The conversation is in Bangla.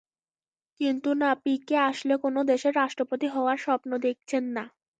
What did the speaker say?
কিন্তু না, পিকে আসলে কোনো দেশের রাষ্ট্রপতি হওয়ার স্বপ্ন দেখছেন না।